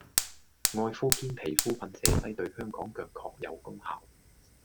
愛膚堅皮膚噴射劑對香港腳確有功效